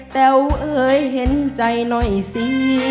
แต้วเอ่ยเห็นใจหน่อยสิ